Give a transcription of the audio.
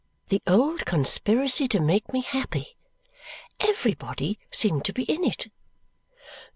The old conspiracy to make me happy! Everybody seemed to be in it!